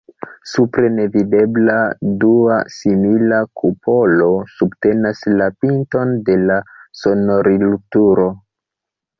Supre, nevidebla, dua simila kupolo subtenas la pinton de la sonorilturo.